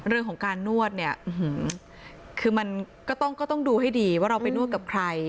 เรื่องของการนวดเนี่ยคือมันก็ต้องดูให้ดีว่าเราไปนวดกับใคร